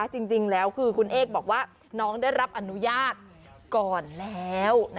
จริงแล้วคือคุณเอกบอกว่าน้องได้รับอนุญาตก่อนแล้ว